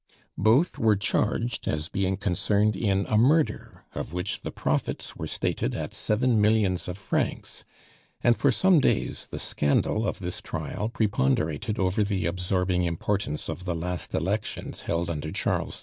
Both were charged as being concerned in a murder, of which the profits were stated at seven millions of francs; and for some days the scandal of this trial preponderated over the absorbing importance of the last elections held under Charles X.